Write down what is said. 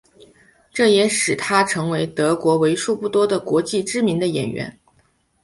这也使他成为了德国为数不多的国际知名的演员。